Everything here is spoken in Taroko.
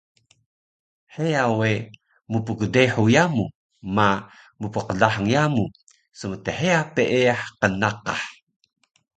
Heya we mpgdehu yamu ma, mpqlahang yamu smtheya peeyah qnnaqah